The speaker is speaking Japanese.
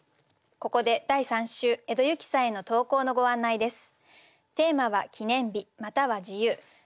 ここで第３週江戸雪さんへの投稿のご案内です。